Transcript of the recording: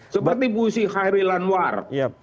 seperti puisi khairi lanwar